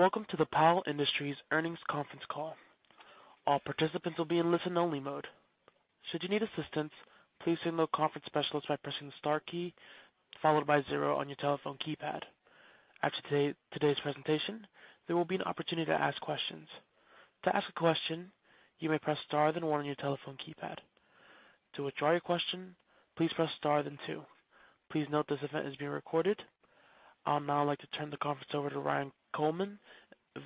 Welcome to the Powell Industries Earnings Conference Call. All participants will be in listen-only mode. Should you need assistance, please say "no" to the conference specialist by pressing the star key followed by zero on your telephone keypad. After today's presentation, there will be an opportunity to ask questions. To ask a question, you may press star then one on your telephone keypad. To withdraw your question, please press star then two. Please note this event is being recorded. I'll now like to turn the conference over to Ryan Coleman,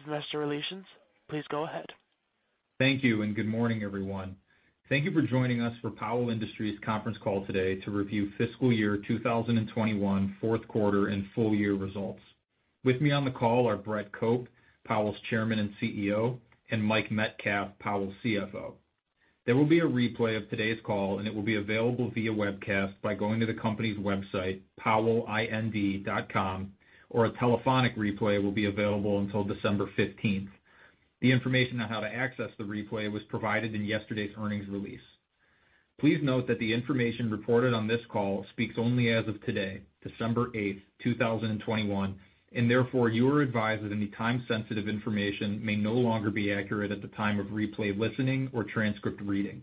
Investor Relations. Please go ahead. Thank you and good morning, everyone. Thank you for joining us for Powell Industries conference call today to review fiscal year 2021, fourth quarter, and full year results. With me on the call are Brett Cope, Powell's Chairman and CEO, and Mike Metcalf, Powell's CFO. There will be a replay of today's call, and it will be available via webcast by going to the company's website, powellind.com, or a telephonic replay will be available until December 15th. The information on how to access the replay was provided in yesterday's earnings release. Please note that the information reported on this call speaks only as of today, December 8th, 2021, and therefore you are advised that any time-sensitive information may no longer be accurate at the time of replay listening or transcript reading.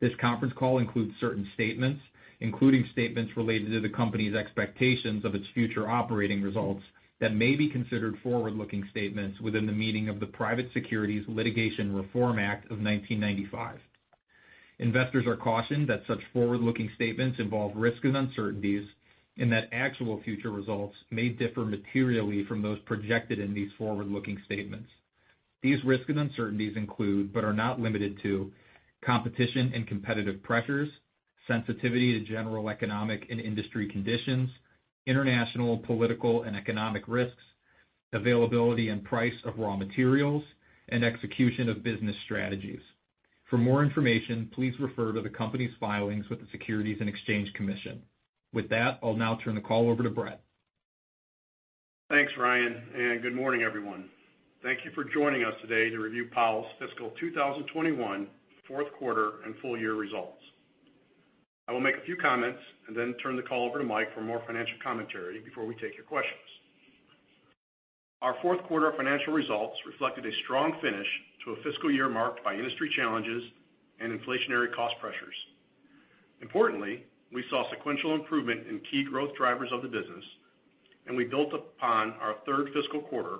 This conference call includes certain statements, including statements related to the company's expectations of its future operating results that may be considered forward-looking statements within the meaning of the Private Securities Litigation Reform Act of 1995. Investors are cautioned that such forward-looking statements involve risks and uncertainties and that actual future results may differ materially from those projected in these forward-looking statements. These risks and uncertainties include, but are not limited to, competition and competitive pressures, sensitivity to general economic and industry conditions, international, political, and economic risks, availability and price of raw materials, and execution of business strategies. For more information, please refer to the company's filings with the Securities and Exchange Commission. With that, I'll now turn the call over to Brett. Thanks, Ryan, and good morning, everyone. Thank you for joining us today to review Powell's fiscal 2021, fourth quarter, and full year results. I will make a few comments and then turn the call over to Mike for more financial commentary before we take your questions. Our fourth quarter financial results reflected a strong finish to a fiscal year marked by industry challenges and inflationary cost pressures. Importantly, we saw sequential improvement in key growth drivers of the business, and we built upon our third fiscal quarter,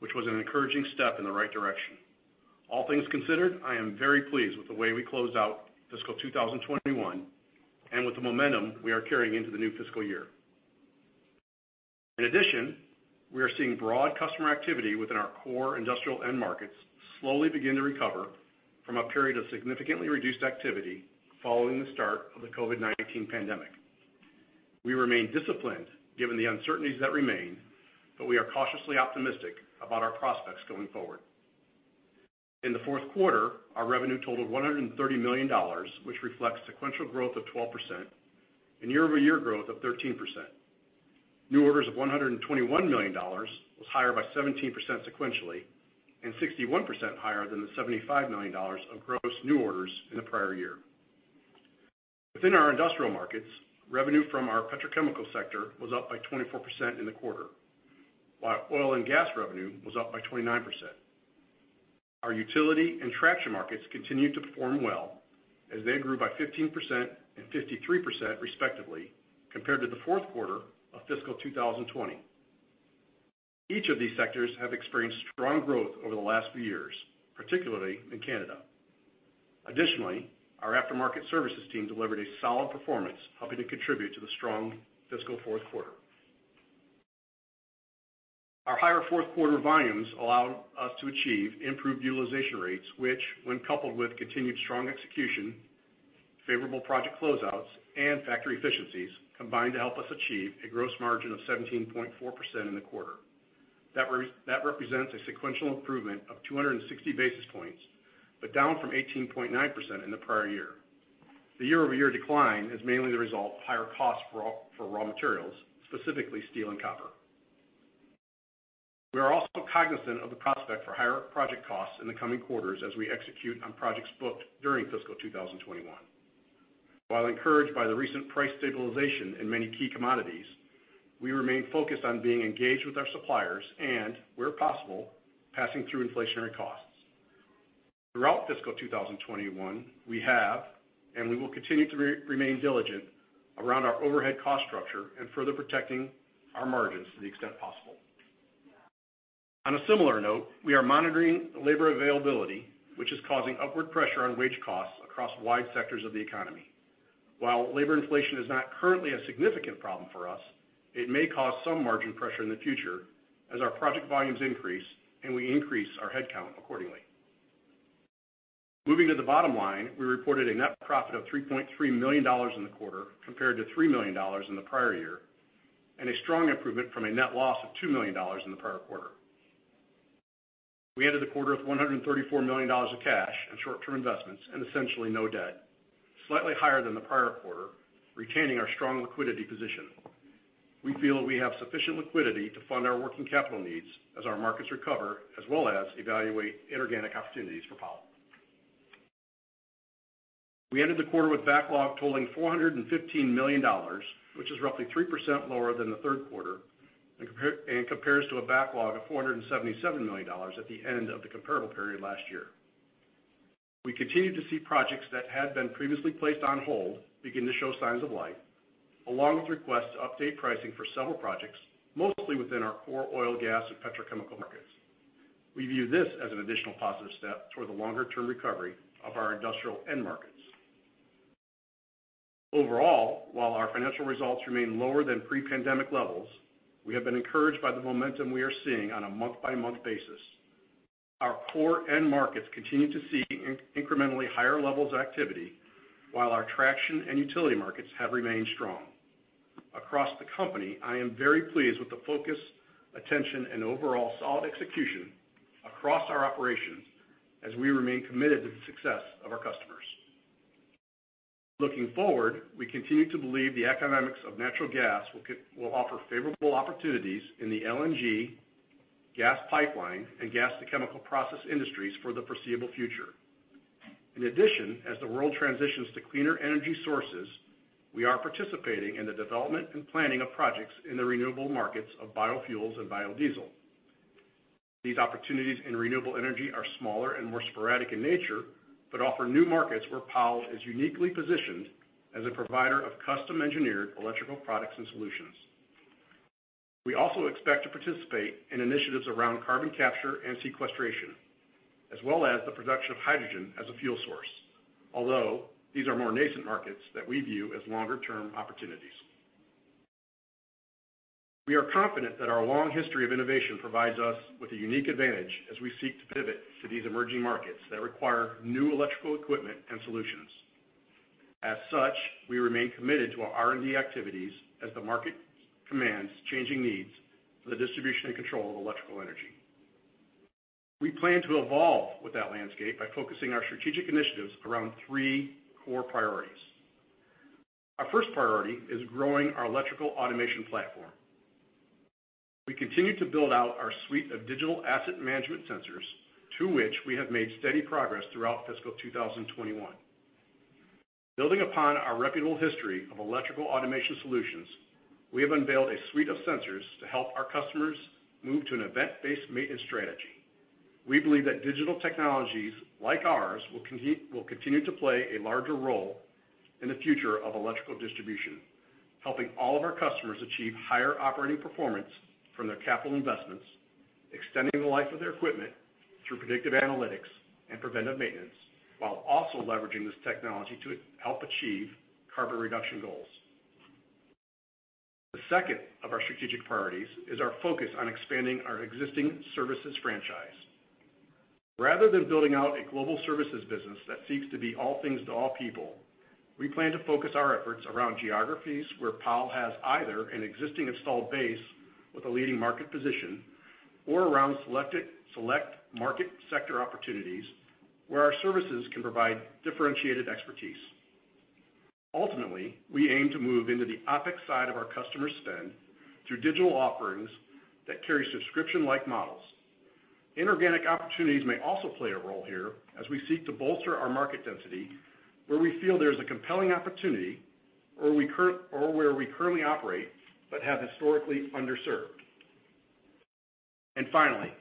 which was an encouraging step in the right direction. All things considered, I am very pleased with the way we closed out fiscal 2021 and with the momentum we are carrying into the new fiscal year. In addition, we are seeing broad customer activity within our core industrial end markets slowly begin to recover from a period of significantly reduced activity following the start of the COVID-19 pandemic. We remain disciplined given the uncertainties that remain, but we are cautiously optimistic about our prospects going forward. In the fourth quarter, our revenue totaled $130 million, which reflects sequential growth of 12% and year-over-year growth of 13%. New orders of $121 million was higher by 17% sequentially and 61% higher than the $75 million of gross new orders in the prior year. Within our industrial markets, revenue from our petrochemical sector was up by 24% in the quarter, while oil and gas revenue was up by 29%. Our utility and traction markets continued to perform well as they grew by 15% and 53% respectively compared to the fourth quarter of fiscal 2020. Each of these sectors has experienced strong growth over the last few years, particularly in Canada. Additionally, our aftermarket services team delivered a solid performance, helping to contribute to the strong fiscal fourth quarter. Our higher fourth quarter volumes allowed us to achieve improved utilization rates, which, when coupled with continued strong execution, favorable project closeouts, and factory efficiencies, combined to help us achieve a gross margin of 17.4% in the quarter. That represents a sequential improvement of 260 basis points, but down from 18.9% in the prior year. The year-over-year decline is mainly the result of higher costs for raw materials, specifically steel and copper. We are also cognizant of the prospect for higher project costs in the coming quarters as we execute on projects booked during fiscal 2021. While encouraged by the recent price stabilization in many key commodities, we remain focused on being engaged with our suppliers and, where possible, passing through inflationary costs. Throughout fiscal 2021, we have and we will continue to remain diligent around our overhead cost structure and further protecting our margins to the extent possible. On a similar note, we are monitoring labor availability, which is causing upward pressure on wage costs across wide sectors of the economy. While labor inflation is not currently a significant problem for us, it may cause some margin pressure in the future as our project volumes increase and we increase our headcount accordingly. Moving to the bottom line, we reported a net profit of $3.3 million in the quarter compared to $3 million in the prior year and a strong improvement from a net loss of $2 million in the prior quarter. We ended the quarter with $134 million of cash and short-term investments and essentially no debt, slightly higher than the prior quarter, retaining our strong liquidity position. We feel we have sufficient liquidity to fund our working capital needs as our markets recover, as well as evaluate inorganic opportunities for Powell. We ended the quarter with backlog totaling $415 million, which is roughly 3% lower than the third quarter and compares to a backlog of $477 million at the end of the comparable period last year. We continue to see projects that had been previously placed on hold begin to show signs of life, along with requests to update pricing for several projects, mostly within our core oil, gas, and petrochemical markets. We view this as an additional positive step toward the longer-term recovery of our industrial end markets. Overall, while our financial results remain lower than pre-pandemic levels, we have been encouraged by the momentum we are seeing on a month-by-month basis. Our core end markets continue to see incrementally higher levels of activity, while our traction and utility markets have remained strong. Across the company, I am very pleased with the focus, attention, and overall solid execution across our operations as we remain committed to the success of our customers. Looking forward, we continue to believe the economics of natural gas will offer favorable opportunities in the LNG, gas pipeline, and gas-to-chemical process industries for the foreseeable future. In addition, as the world transitions to cleaner energy sources, we are participating in the development and planning of projects in the renewable markets of biofuels and biodiesel. These opportunities in renewable energy are smaller and more sporadic in nature, but offer new markets where Powell is uniquely positioned as a provider of custom-engineered electrical products and solutions. We also expect to participate in initiatives around carbon capture and sequestration, as well as the production of hydrogen as a fuel source, although these are more nascent markets that we view as longer-term opportunities. We are confident that our long history of innovation provides us with a unique advantage as we seek to pivot to these emerging markets that require new electrical equipment and solutions. As such, we remain committed to our R&D activities as the market commands changing needs for the distribution and control of electrical energy. We plan to evolve with that landscape by focusing our strategic initiatives around three core priorities. Our first priority is growing our electrical automation platform. We continue to build out our suite of digital asset management sensors, to which we have made steady progress throughout fiscal 2021. Building upon our reputable history of electrical automation solutions, we have unveiled a suite of sensors to help our customers move to an event-based maintenance strategy. We believe that digital technologies like ours will continue to play a larger role in the future of electrical distribution, helping all of our customers achieve higher operating performance from their capital investments, extending the life of their equipment through predictive analytics and preventive maintenance, while also leveraging this technology to help achieve carbon reduction goals. The second of our strategic priorities is our focus on expanding our existing services franchise. Rather than building out a global services business that seeks to be all things to all people, we plan to focus our efforts around geographies where Powell has either an existing installed base with a leading market position or around select market sector opportunities where our services can provide differentiated expertise. Ultimately, we aim to move into the OpEx side of our customer spend through digital offerings that carry subscription-like models. Inorganic opportunities may also play a role here as we seek to bolster our market density where we feel there is a compelling opportunity or where we currently operate but have historically underserved. And finally,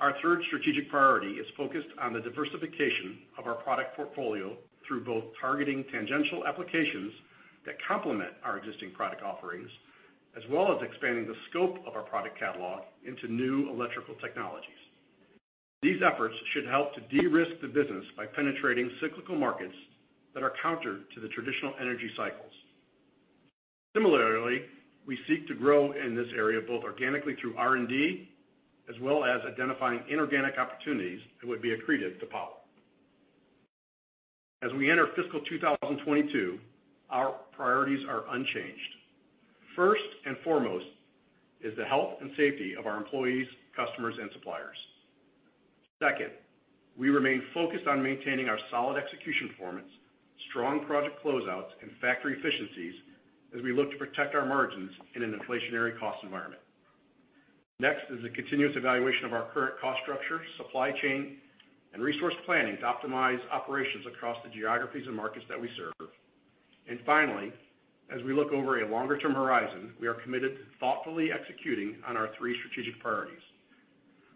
our third strategic priority is focused on the diversification of our product portfolio through both targeting tangential applications that complement our existing product offerings, as well as expanding the scope of our product catalog into new electrical technologies. These efforts should help to de-risk the business by penetrating cyclical markets that are counter to the traditional energy cycles. Similarly, we seek to grow in this area both organically through R&D as well as identifying inorganic opportunities that would be accretive to Powell. As we enter fiscal 2022, our priorities are unchanged. First and foremost is the health and safety of our employees, customers, and suppliers. Second, we remain focused on maintaining our solid execution performance, strong project closeouts, and factory efficiencies as we look to protect our margins in an inflationary cost environment. Next is the continuous evaluation of our current cost structure, supply chain, and resource planning to optimize operations across the geographies and markets that we serve, and finally, as we look over a longer-term horizon, we are committed to thoughtfully executing on our three strategic priorities.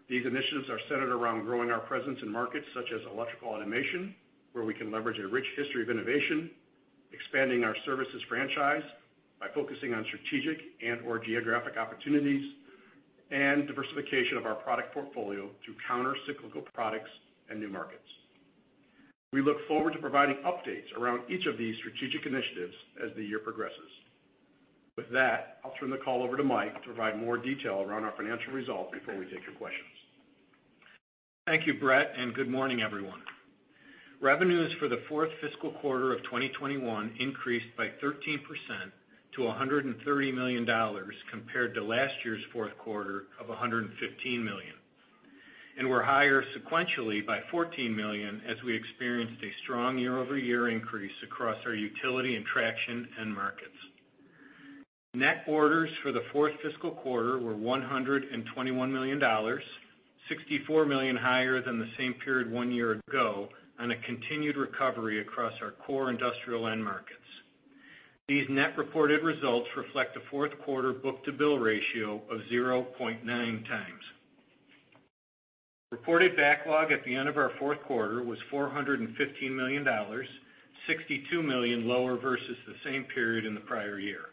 These initiatives are centered around growing our presence in markets such as electrical automation, where we can leverage a rich history of innovation, expanding our services franchise by focusing on strategic and/or geographic opportunities, and diversification of our product portfolio through countercyclical products and new markets. We look forward to providing updates around each of these strategic initiatives as the year progresses. With that, I'll turn the call over to Mike to provide more detail around our financial results before we take your questions. Thank you, Brett, and good morning, everyone. Revenues for the fourth fiscal quarter of 2021 increased by 13% to $130 million compared to last year's fourth quarter of $115 million, and were higher sequentially by $14 million as we experienced a strong year-over-year increase across our utility and traction end markets. Net orders for the fourth fiscal quarter were $121 million, $64 million higher than the same period one year ago on a continued recovery across our core industrial end markets. These net reported results reflect a fourth quarter book-to-bill ratio of 0.9 times. Reported backlog at the end of our fourth quarter was $415 million, $62 million lower versus the same period in the prior year.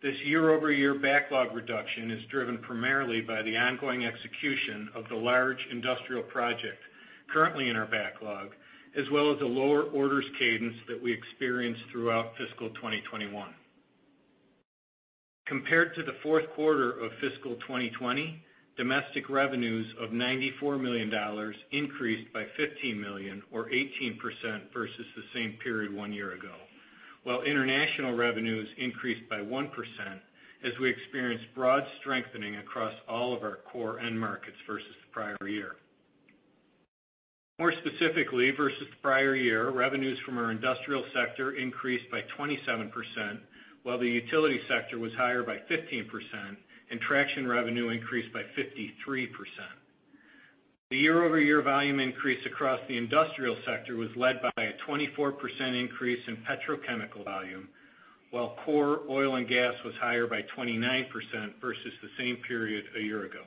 This year-over-year backlog reduction is driven primarily by the ongoing execution of the large industrial project currently in our backlog, as well as a lower orders cadence that we experienced throughout fiscal 2021. Compared to the fourth quarter of fiscal 2020, domestic revenues of $94 million increased by $15 million, or 18% versus the same period one year ago, while international revenues increased by 1% as we experienced broad strengthening across all of our core end markets versus the prior year. More specifically, versus the prior year, revenues from our industrial sector increased by 27%, while the utility sector was higher by 15%, and traction revenue increased by 53%. The year-over-year volume increase across the industrial sector was led by a 24% increase in petrochemical volume, while core oil and gas was higher by 29% versus the same period a year ago.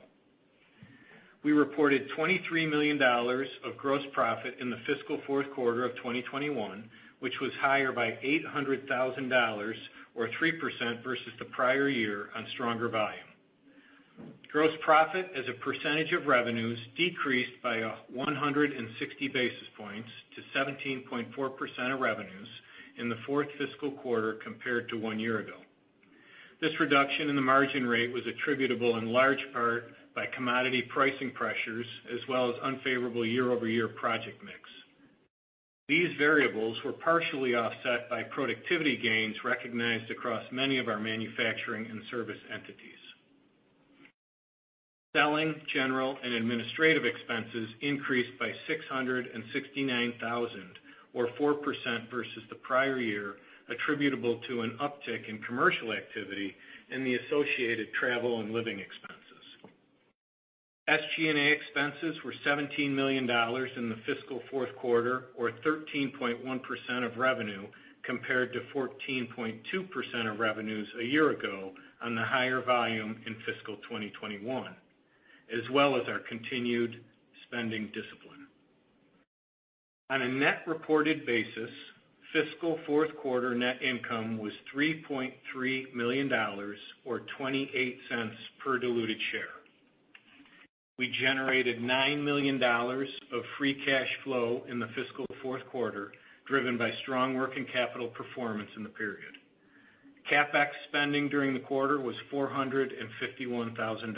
We reported $23 million of gross profit in the fiscal fourth quarter of 2021, which was higher by $800,000, or 3% versus the prior year on stronger volume. Gross profit as a percentage of revenues decreased by 160 basis points to 17.4% of revenues in the fourth fiscal quarter compared to one year ago. This reduction in the margin rate was attributable in large part by commodity pricing pressures, as well as unfavorable year-over-year project mix. These variables were partially offset by productivity gains recognized across many of our manufacturing and service entities. Selling, general, and administrative expenses increased by $669,000, or 4% versus the prior year, attributable to an uptick in commercial activity and the associated travel and living expenses. SG&A expenses were $17 million in the fiscal fourth quarter, or 13.1% of revenue compared to 14.2% of revenues a year ago on the higher volume in fiscal 2021, as well as our continued spending discipline. On a net reported basis, fiscal fourth quarter net income was $3.3 million, or $0.28 per diluted share. We generated $9 million of free cash flow in the fiscal fourth quarter, driven by strong working capital performance in the period. CapEx spending during the quarter was $451,000.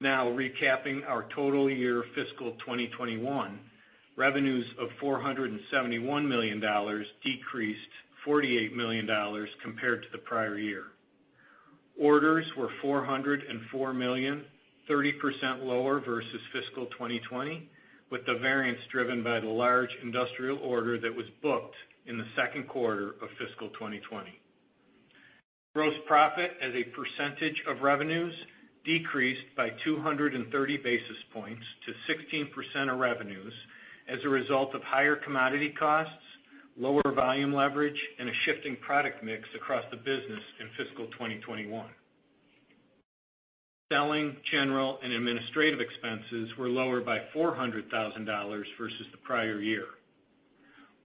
Now, recapping our total year fiscal 2021, revenues of $471 million decreased $48 million compared to the prior year. Orders were $404 million, 30% lower versus fiscal 2020, with the variance driven by the large industrial order that was booked in the second quarter of fiscal 2020. Gross profit as a percentage of revenues decreased by 230 basis points to 16% of revenues as a result of higher commodity costs, lower volume leverage, and a shifting product mix across the business in fiscal 2021. Selling, general, and administrative expenses were lower by $400,000 versus the prior year.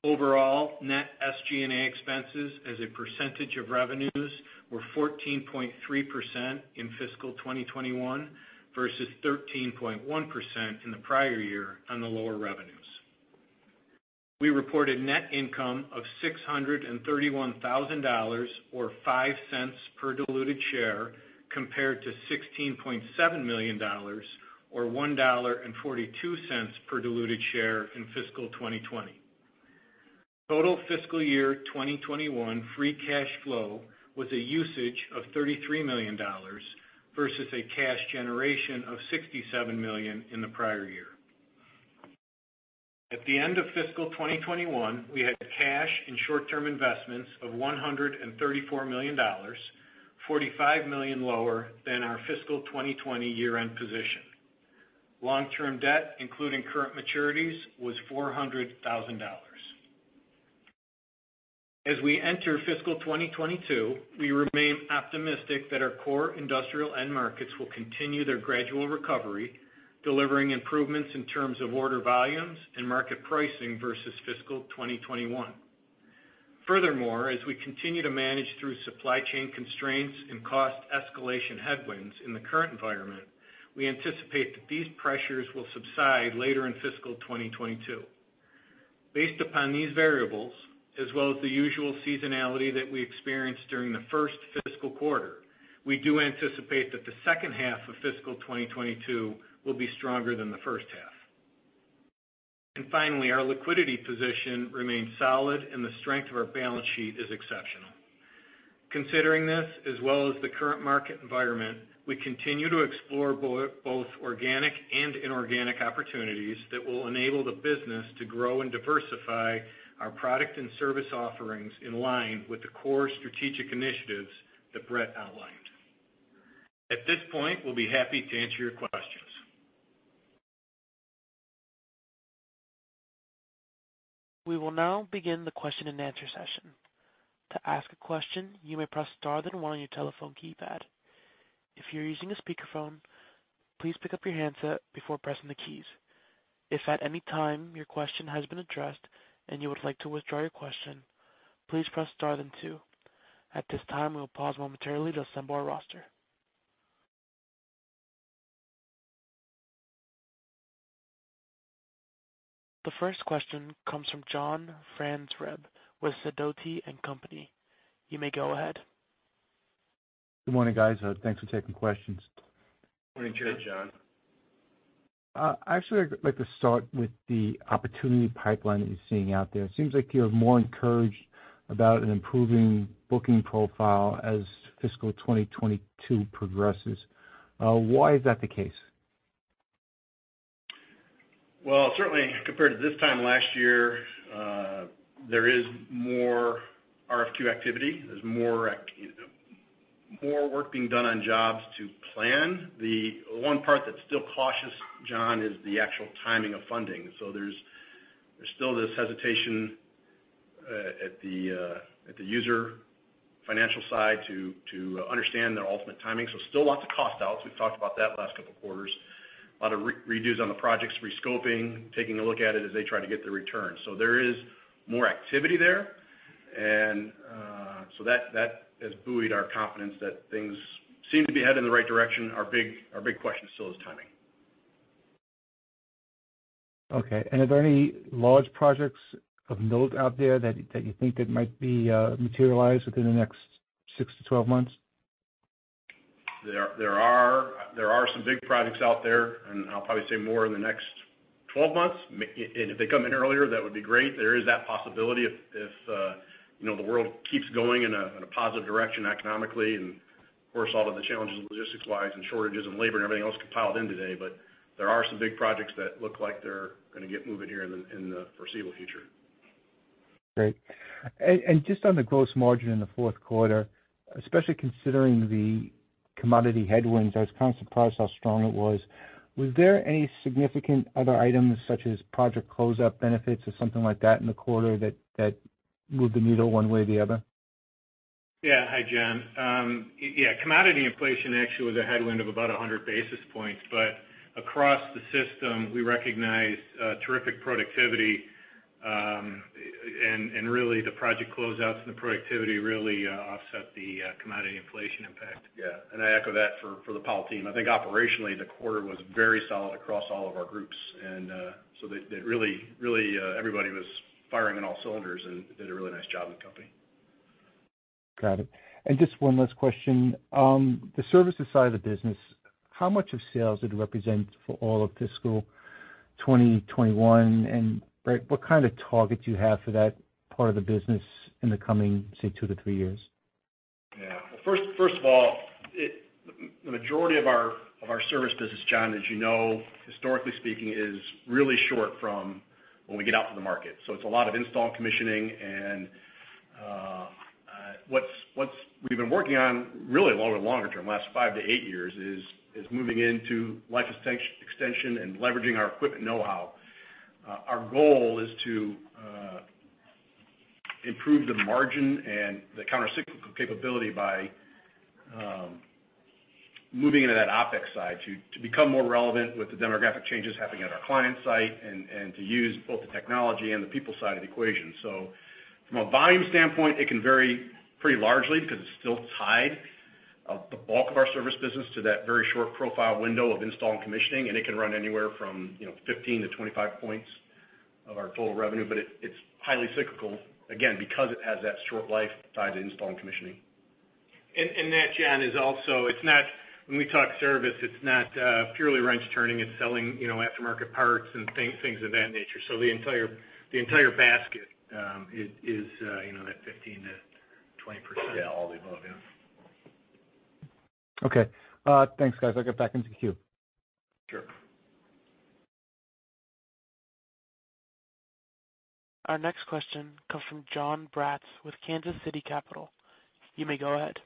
Overall, net SG&A expenses as a percentage of revenues were 14.3% in fiscal 2021 versus 13.1% in the prior year on the lower revenues. We reported net income of $631,000, or $0.05 per diluted share, compared to $16.7 million, or $1.42 per diluted share in fiscal 2020. Total fiscal year 2021 free cash flow was a usage of $33 million versus a cash generation of $67 million in the prior year. At the end of fiscal 2021, we had cash and short-term investments of $134 million, $45 million lower than our fiscal 2020 year-end position. Long-term debt, including current maturities, was $400,000. As we enter fiscal 2022, we remain optimistic that our core industrial end markets will continue their gradual recovery, delivering improvements in terms of order volumes and market pricing versus fiscal 2021. Furthermore, as we continue to manage through supply chain constraints and cost escalation headwinds in the current environment, we anticipate that these pressures will subside later in fiscal 2022. Based upon these variables, as well as the usual seasonality that we experienced during the first fiscal quarter, we do anticipate that the second half of fiscal 2022 will be stronger than the first half, and finally, our liquidity position remains solid, and the strength of our balance sheet is exceptional. Considering this, as well as the current market environment, we continue to explore both organic and inorganic opportunities that will enable the business to grow and diversify our product and service offerings in line with the core strategic initiatives that Brett outlined. At this point, we'll be happy to answer your questions. We will now begin the question and answer session. To ask a question, you may press star then one on your telephone keypad. If you're using a speakerphone, please pick up your handset before pressing the keys. If at any time your question has been addressed and you would like to withdraw your question, please press star then two. At this time, we will pause momentarily to assemble our roster. The first question comes from John Franzreb with Sidoti & Company. You may go ahead. Good morning, guys. Thanks for taking questions. Morning to you, John. Actually, I'd like to start with the opportunity pipeline that you're seeing out there. It seems like you're more encouraged about an improving booking profile as fiscal 2022 progresses. Why is that the case? Certainly, compared to this time last year, there is more RFQ activity. There's more work being done on jobs to plan. The one part that's still cautious, John, is the actual timing of funding. So there's still this hesitation at the user financial side to understand their ultimate timing. So still lots of cost outs. We've talked about that last couple of quarters. A lot of redos on the projects, rescoping, taking a look at it as they try to get the return. So there is more activity there. And so that has buoyed our confidence that things seem to be headed in the right direction. Our big question still is timing. Okay. And are there any large projects of note out there that you think that might be materialized within the next 6-12 months? There are some big projects out there, and I'll probably say more in the next 12 months. And if they come in earlier, that would be great. There is that possibility if the world keeps going in a positive direction economically. And, of course, all of the challenges logistics-wise and shortages and labor and everything else compounded today. But there are some big projects that look like they're going to get moving here in the foreseeable future. Great. And just on the gross margin in the fourth quarter, especially considering the commodity headwinds, I was kind of surprised how strong it was. Was there any significant other items such as project closeout benefits or something like that in the quarter that moved the needle one way or the other? Yeah. Hi, John. Yeah. Commodity inflation actually was a headwind of about 100 basis points. But across the system, we recognized terrific productivity. And really, the project closeouts and the productivity really offset the commodity inflation impact. Yeah. And I echo that for the Powell team. I think operationally, the quarter was very solid across all of our groups. And so really, everybody was firing on all cylinders and did a really nice job in the company. Got it. And just one last question. The services side of the business, how much of sales did it represent for all of fiscal 2021? And what kind of targets do you have for that part of the business in the coming, say, two to three years? Yeah. Well, first of all, the majority of our service business, John, as you know, historically speaking, is really short from when we get out to the market. So it's a lot of install commissioning. And what we've been working on really over the longer term, last five to eight years, is moving into life extension and leveraging our equipment know-how. Our goal is to improve the margin and the countercyclical capability by moving into that OpEx side to become more relevant with the demographic changes happening at our client site and to use both the technology and the people side of the equation. So from a volume standpoint, it can vary pretty largely because it's still tied, the bulk of our service business, to that very short profile window of install and commissioning. And it can run anywhere from 15 to 25 points of our total revenue. But it's highly cyclical, again, because it has that short life tied to install and commissioning. And that, John, is also when we talk service. It's not purely wrench turning. It's selling aftermarket parts and things of that nature. So the entire basket is that 15%-20%. Yeah, all the above, yeah. Okay. Thanks, guys. I'll get back into the queue. Sure. Our next question comes from Jon Braatz with Kansas City Capital. You may go ahead.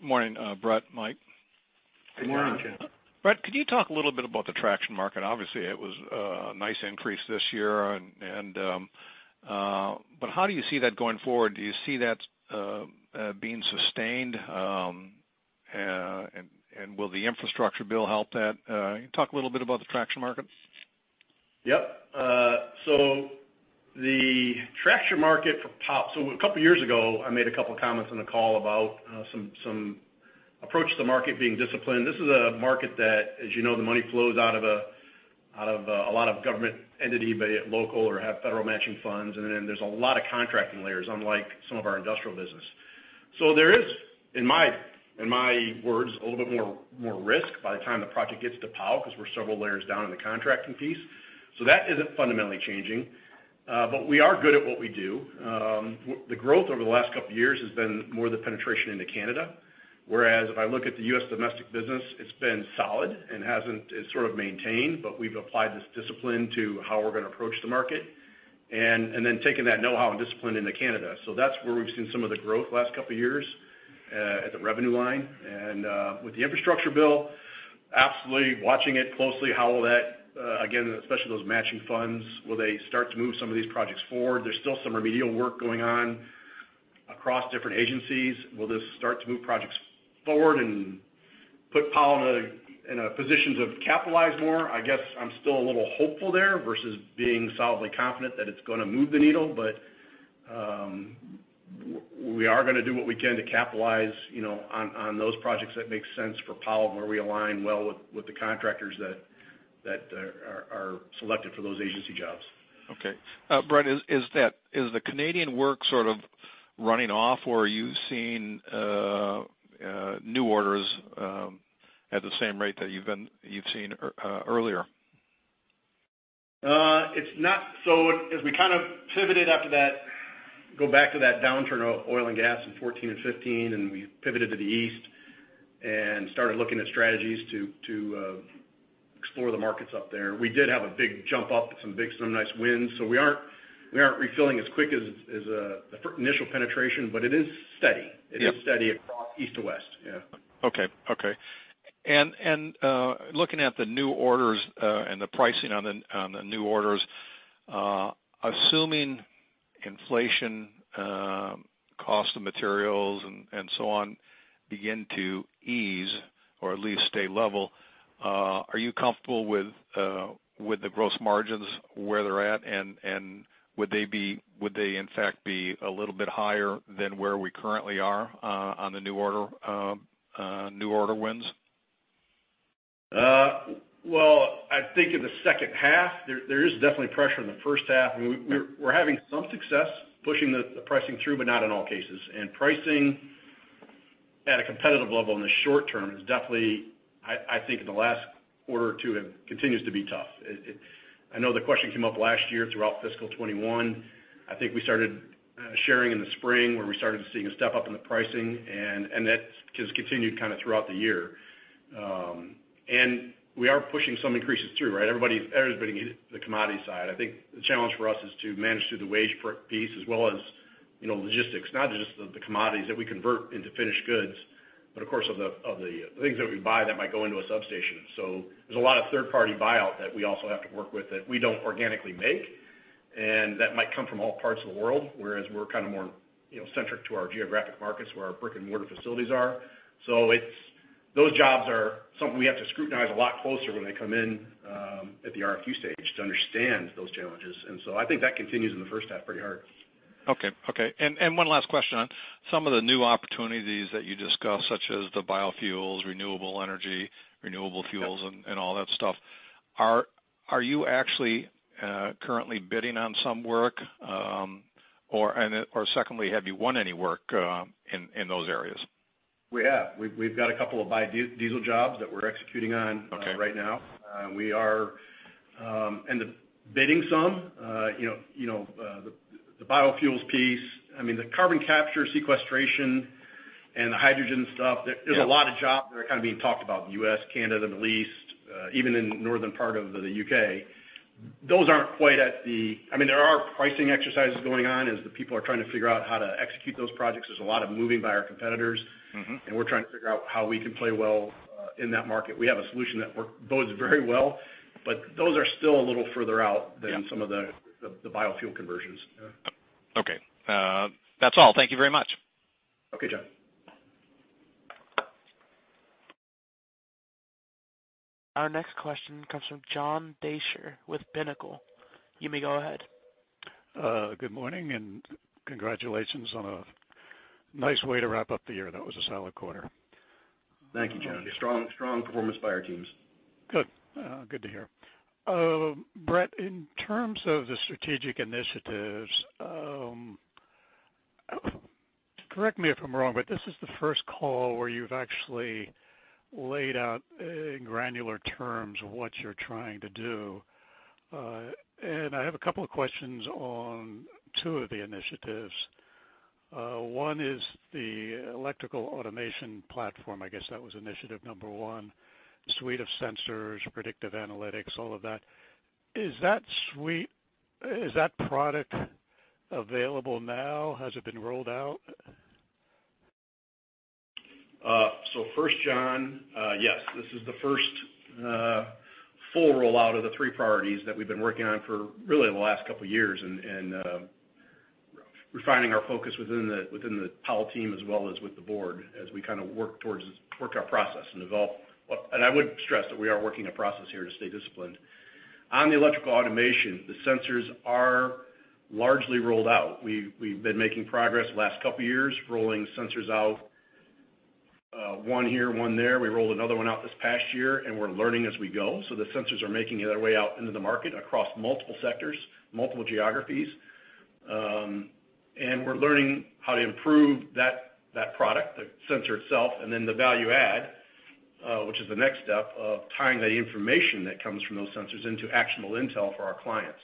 Good morning. Brett, Mike. Good morning, Jon. Brett, could you talk a little bit about the traction market? Obviously, it was a nice increase this year. But how do you see that going forward? Do you see that being sustained? And will the infrastructure bill help that? Talk a little bit about the traction market. Yep. So the traction market for Powell. So a couple of years ago, I made a couple of comments on the call about some approach to the market being disciplined. This is a market that, as you know, the money flows out of a lot of government entities, be it local or have federal matching funds. And then there's a lot of contracting layers, unlike some of our industrial business. So there is, in my words, a little bit more risk by the time the project gets to Powell because we're several layers down in the contracting piece. So that isn't fundamentally changing. But we are good at what we do. The growth over the last couple of years has been more the penetration into Canada. Whereas if I look at the U.S. domestic business, it's been solid and hasn't sort of maintained. But we've applied this discipline to how we're going to approach the market and then taken that know-how and discipline into Canada. So that's where we've seen some of the growth last couple of years at the revenue line. And with the infrastructure bill, absolutely watching it closely, how will that, again, especially those matching funds, will they start to move some of these projects forward? There's still some remedial work going on across different agencies. Will this start to move projects forward and put Powell in a position to capitalize more? I guess I'm still a little hopeful there versus being solidly confident that it's going to move the needle. But we are going to do what we can to capitalize on those projects that make sense for Powell and where we align well with the contractors that are selected for those agency jobs. Okay. Brett, is the Canadian work sort of running off, or are you seeing new orders at the same rate that you've seen earlier? So as we kind of pivoted after that, go back to that downturn of oil and gas in 2014 and 2015, and we pivoted to the east and started looking at strategies to explore the markets up there. We did have a big jump up, some nice wins. So we aren't refilling as quick as the initial penetration, but it is steady. It is steady across east to west. Yeah. Okay, and looking at the new orders and the pricing on the new orders, assuming inflation, cost of materials, and so on begin to ease or at least stay level, are you comfortable with the gross margins where they're at, and would they, in fact, be a little bit higher than where we currently are on the new order wins? Well, I think in the second half, there is definitely pressure in the first half. We're having some success pushing the pricing through, but not in all cases. And pricing at a competitive level in the short term is definitely, I think, in the last quarter or two, continues to be tough. I know the question came up last year throughout fiscal 2021. I think we started sharing in the spring where we started seeing a step up in the pricing. And that has continued kind of throughout the year. And we are pushing some increases through, right? Everybody's headed to the commodity side. I think the challenge for us is to manage through the wage piece as well as logistics, not just the commodities that we convert into finished goods, but, of course, of the things that we buy that might go into a substation. So there's a lot of third-party buyout that we also have to work with that we don't organically make. And that might come from all parts of the world, whereas we're kind of more centric to our geographic markets where our brick-and-mortar facilities are. So those jobs are something we have to scrutinize a lot closer when they come in at the RFQ stage to understand those challenges. And so I think that continues in the first half pretty hard. Okay. Okay. And one last question. Some of the new opportunities that you discussed, such as the biofuels, renewable energy, renewable fuels, and all that stuff, are you actually currently bidding on some work? Or secondly, have you won any work in those areas? We have. We've got a couple of biodiesel jobs that we're executing on right now, and the bidding some, the biofuels piece. I mean, the carbon capture, sequestration, and the hydrogen stuff. There's a lot of jobs that are kind of being talked about in the U.S., Canada, the Middle East, even in the northern part of the U.K. Those aren't quite at the. I mean, there are pricing exercises going on as the people are trying to figure out how to execute those projects. There's a lot of moving by our competitors, and we're trying to figure out how we can play well in that market. We have a solution that bodes very well, but those are still a little further out than some of the biofuel conversions. Okay. That's all. Thank you very much. Okay, John. Our next question comes from John Deysher with Pinnacle. You may go ahead. Good morning and congratulations on a nice way to wrap up the year. That was a solid quarter. Thank you, John. Strong performance by our teams. Good. Good to hear. Brett, in terms of the strategic initiatives, correct me if I'm wrong, but this is the first call where you've actually laid out in granular terms what you're trying to do, and I have a couple of questions on two of the initiatives. One is the electrical automation platform. I guess that was initiative number one. Suite of sensors, predictive analytics, all of that. Is that product available now? Has it been rolled out? First, John, yes. This is the first full rollout of the three priorities that we've been working on for really the last couple of years and refining our focus within the Powell team as well as with the board as we kind of work our process and develop. And I would stress that we are working a process here to stay disciplined. On the electrical automation, the sensors are largely rolled out. We've been making progress the last couple of years rolling sensors out, one here, one there. We rolled another one out this past year, and we're learning as we go. So the sensors are making their way out into the market across multiple sectors, multiple geographies. And we're learning how to improve that product, the sensor itself, and then the value-add, which is the next step of tying that information that comes from those sensors into actionable intel for our clients.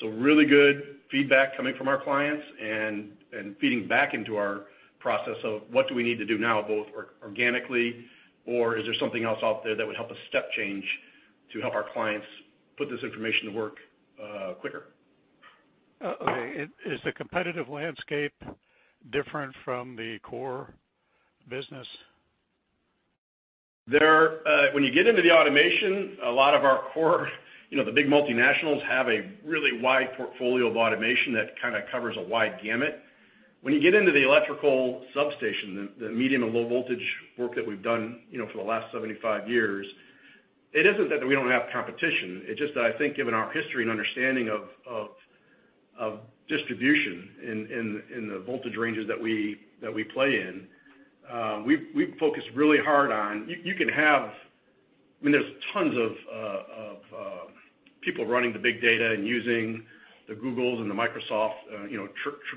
So really good feedback coming from our clients and feeding back into our process of what do we need to do now, both organically, or is there something else out there that would help a step change to help our clients put this information to work quicker? Okay. Is the competitive landscape different from the core business? When you get into the automation, a lot of our core, the big multinationals have a really wide portfolio of automation that kind of covers a wide gamut. When you get into the electrical substation, the medium and low voltage work that we've done for the last 75 years, it isn't that we don't have competition. It's just that I think, given our history and understanding of distribution in the voltage ranges that we play in, we've focused really hard on you can have I mean, there's tons of people running the big data and using the Googles and the Microsoft,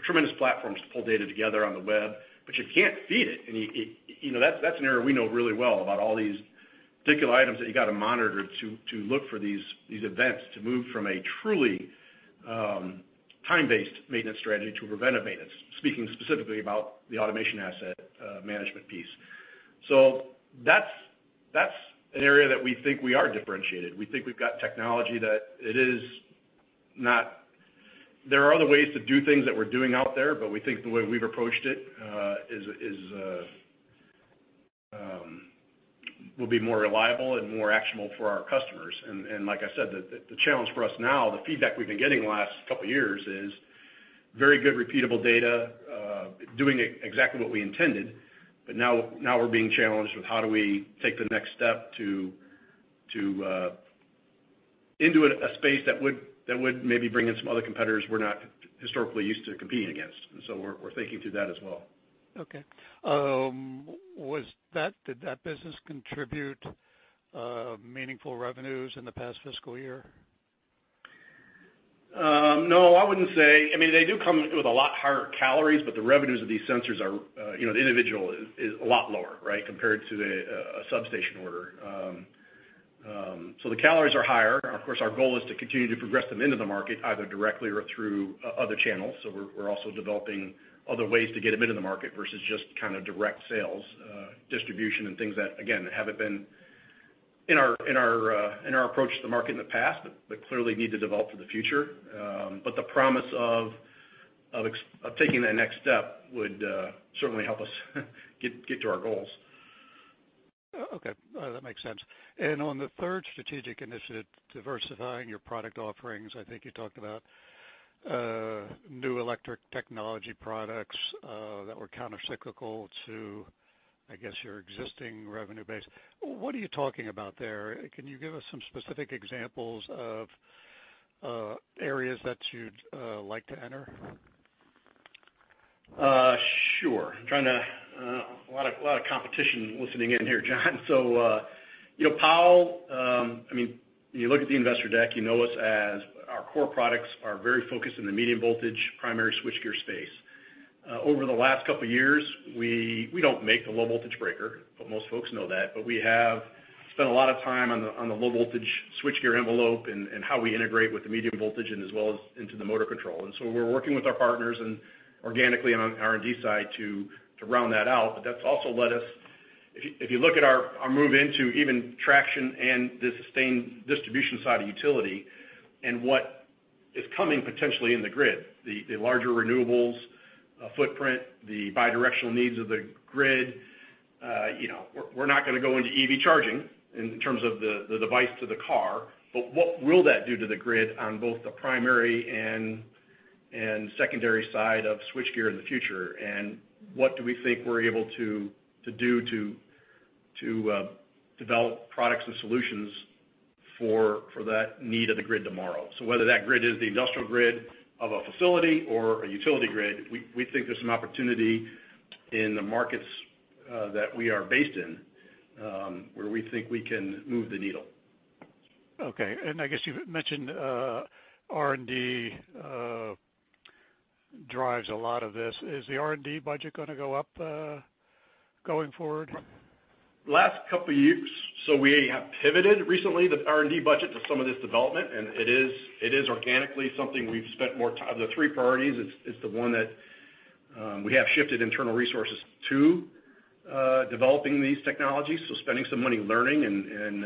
tremendous platforms to pull data together on the web. But you can't feed it. And that's an area we know really well about all these particular items that you got to monitor to look for these events to move from a truly time-based maintenance strategy to preventive maintenance, speaking specifically about the automation asset management piece. So that's an area that we think we are differentiated. We think we've got technology that it is not there are other ways to do things that we're doing out there, but we think the way we've approached it will be more reliable and more actionable for our customers. And like I said, the challenge for us now, the feedback we've been getting the last couple of years is very good repeatable data, doing exactly what we intended. But now we're being challenged with how do we take the next step into a space that would maybe bring in some other competitors we're not historically used to competing against. And so we're thinking through that as well. Okay. Did that business contribute meaningful revenues in the past fiscal year? No, I wouldn't say. I mean, they do come with a lot higher CapEx, but the revenues of these sensors, the individual is a lot lower, right, compared to a substation order. So the CapEx are higher. Of course, our goal is to continue to progress them into the market either directly or through other channels. So we're also developing other ways to get them into the market versus just kind of direct sales, distribution, and things that, again, haven't been in our approach to the market in the past, but clearly need to develop for the future. But the promise of taking that next step would certainly help us get to our goals. Okay. That makes sense. And on the third strategic initiative, diversifying your product offerings, I think you talked about new electric technology products that were countercyclical to, I guess, your existing revenue base. What are you talking about there? Can you give us some specific examples of areas that you'd like to enter? Sure. A lot of competition listening in here, John. So Powell, I mean, you look at the investor deck, you know us as our core products are very focused in the medium voltage primary switchgear space. Over the last couple of years, we don't make the low voltage breaker, but most folks know that. But we have spent a lot of time on the low voltage switchgear envelope and how we integrate with the medium voltage and as well as into the motor control. And so we're working with our partners and organically on the R&D side to round that out. But that's also led us, if you look at our move into even traction and the sustained distribution side of utility and what is coming potentially in the grid, the larger renewables footprint, the bidirectional needs of the grid. We're not going to go into EV charging in terms of the device to the car, but what will that do to the grid on both the primary and secondary side of switchgear in the future? And what do we think we're able to do to develop products and solutions for that need of the grid tomorrow? So whether that grid is the industrial grid of a facility or a utility grid, we think there's some opportunity in the markets that we are based in where we think we can move the needle. Okay. And I guess you mentioned R&D drives a lot of this. Is the R&D budget going to go up going forward? Last couple of years, so we have pivoted recently the R&D budget to some of this development. And it is organically something we've spent more time. The three priorities, it's the one that we have shifted internal resources to developing these technologies. So spending some money learning and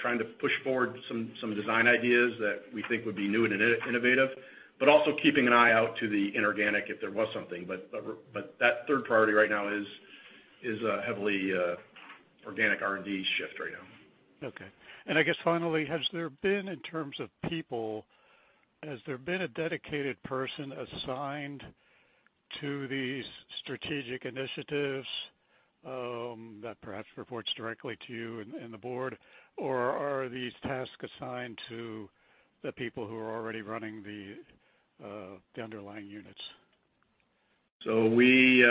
trying to push forward some design ideas that we think would be new and innovative, but also keeping an eye out to the inorganic if there was something. But that third priority right now is a heavily organic R&D shift right now. Okay, and I guess finally, in terms of people, has there been a dedicated person assigned to these strategic initiatives that perhaps reports directly to you and the board? Or are these tasks assigned to the people who are already running the underlying units? So we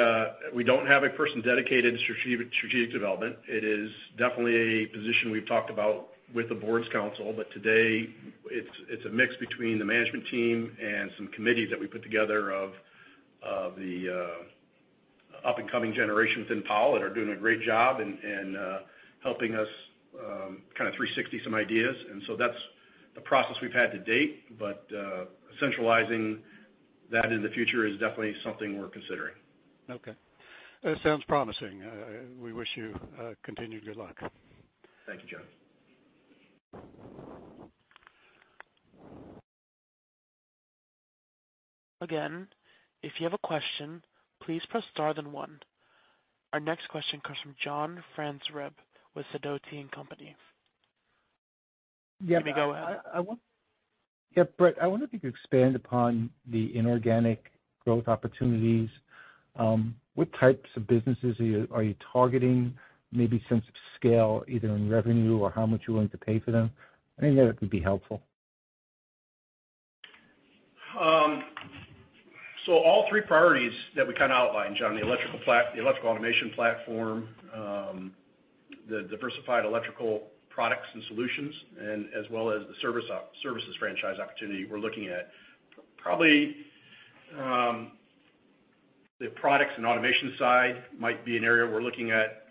don't have a person dedicated to strategic development. It is definitely a position we've talked about with the board counsel. But today, it's a mix between the management team and some committees that we put together of the up-and-coming generation within Powell that are doing a great job and helping us kind of 360 some ideas. And so that's the process we've had to date. But centralizing that in the future is definitely something we're considering. Okay. That sounds promising. We wish you continued good luck. Thank you, John. Again, if you have a question, please press star then one. Our next question comes from John Franzreb with Sidoti & Company. Yeah. Let me go ahead. Yeah. Brett, I wonder if you could expand upon the inorganic growth opportunities. What types of businesses are you targeting, maybe sense of scale, either in revenue or how much you're willing to pay for them? I think that would be helpful. So all three priorities that we kind of outlined, John, the electrical automation platform, the diversified electrical products and solutions, and as well as the services franchise opportunity we're looking at. Probably the products and automation side might be an area we're looking at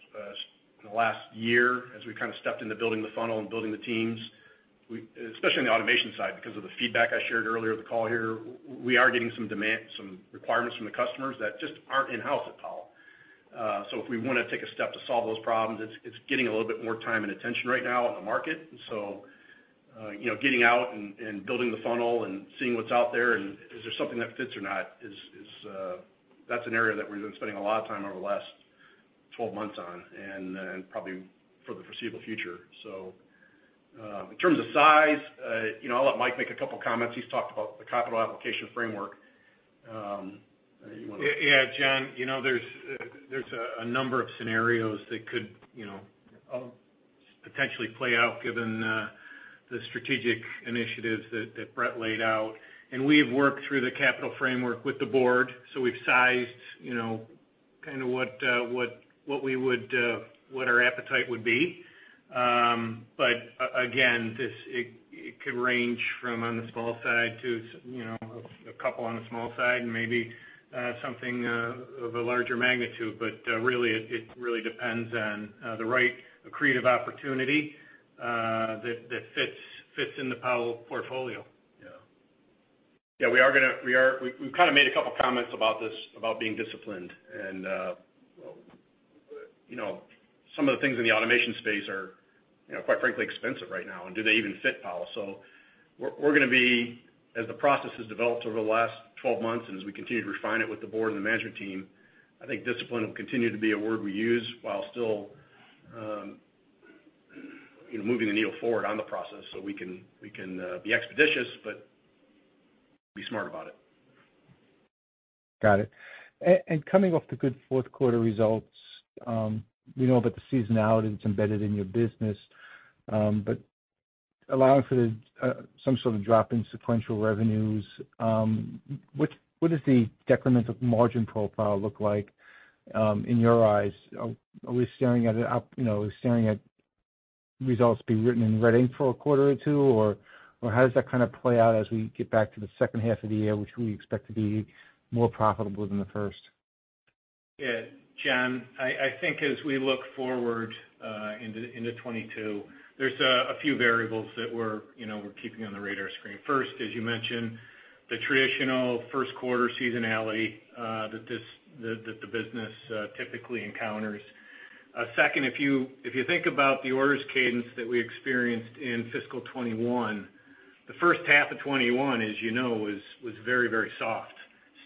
in the last year as we kind of stepped into building the funnel and building the teams, especially on the automation side because of the feedback I shared earlier in the call here. We are getting some requirements from the customers that just aren't in-house at Powell. So if we want to take a step to solve those problems, it's getting a little bit more time and attention right now in the market. And so getting out and building the funnel and seeing what's out there and is there something that fits or not, that's an area that we've been spending a lot of time over the last 12 months on and probably for the foreseeable future. So in terms of size, I'll let Mike make a couple of comments. He's talked about the capital application framework. You want to? Yeah, John, there's a number of scenarios that could potentially play out given the strategic initiatives that Brett laid out. And we've worked through the capital framework with the board. So we've sized kind of what our appetite would be. But again, it could range from on the small side to a couple on the small side and maybe something of a larger magnitude. But really, it really depends on the right creative opportunity that fits in the Powell portfolio. Yeah. Yeah. We're going to. We've kind of made a couple of comments about this, about being disciplined, and some of the things in the automation space are, quite frankly, expensive right now, and do they even fit Powell? So we're going to be, as the process has developed over the last 12 months and as we continue to refine it with the board and the management team, I think discipline will continue to be a word we use while still moving the needle forward on the process, so we can be expeditious, but be smart about it. Got it. And coming off the good fourth quarter results, we know about the seasonality that's embedded in your business, but allowing for some sort of drop in sequential revenues, what does the decremental margin profile look like in your eyes? Are we staring at results being written down for a quarter or two, or how does that kind of play out as we get back to the second half of the year, which we expect to be more profitable than the first? Yeah. John, I think as we look forward into 2022, there's a few variables that we're keeping on the radar screen. First, as you mentioned, the traditional first quarter seasonality that the business typically encounters. Second, if you think about the orders cadence that we experienced in fiscal 2021, the first half of 2021, as you know, was very, very soft.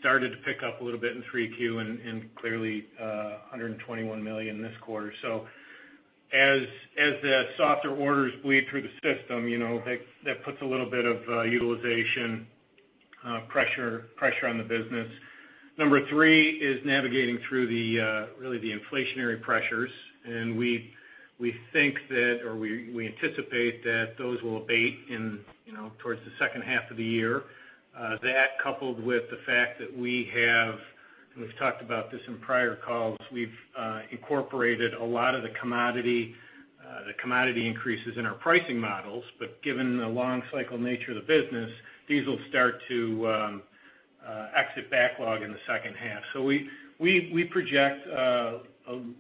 Started to pick up a little bit in 3Q and clearly $121 million this quarter. So as the softer orders bleed through the system, that puts a little bit of utilization pressure on the business. Number three is navigating through really the inflationary pressures, and we think that or we anticipate that those will abate towards the second half of the year. That, coupled with the fact that we have and we've talked about this in prior calls, we've incorporated a lot of the commodity increases in our pricing models. But given the long-cycle nature of the business, these will start to exit backlog in the second half. So we project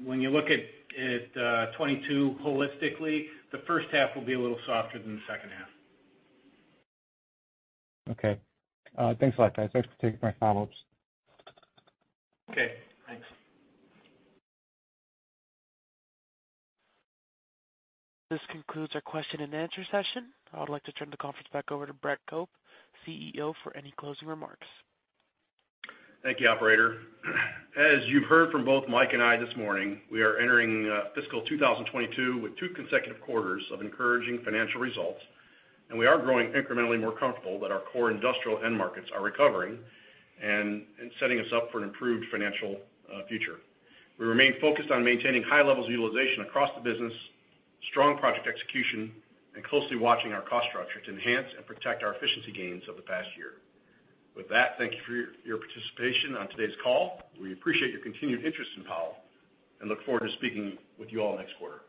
when you look at 2022 holistically, the first half will be a little softer than the second half. Okay. Thanks, Mike. Thanks for taking my follow-ups. Okay. Thanks. This concludes our question and answer session. I would like to turn the conference back over to Brett Cope, CEO, for any closing remarks. Thank you, Operator. As you've heard from both Mike and I this morning, we are entering fiscal 2022 with two consecutive quarters of encouraging financial results, and we are growing incrementally more comfortable that our core industrial end markets are recovering and setting us up for an improved financial future. We remain focused on maintaining high levels of utilization across the business, strong project execution, and closely watching our cost structure to enhance and protect our efficiency gains of the past year. With that, thank you for your participation on today's call. We appreciate your continued interest in Powell and look forward to speaking with you all next quarter.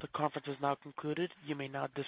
The conference is now concluded. You may now disconnect.